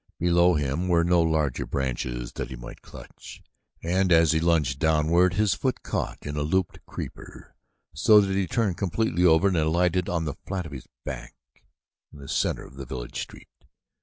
Below him were no larger branches that he might clutch and as he lunged downward his foot caught in a looped creeper so that he turned completely over and alighted on the flat of his back in the center of the village street.